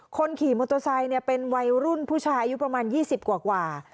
คนขี่มอเตอร์ไซค์เป็นวัยรุ่นผู้ชายอายุประมาณ๒๐กว่า